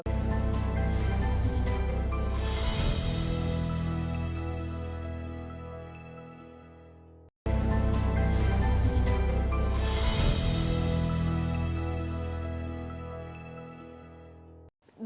apa menurut viene mengwajibkan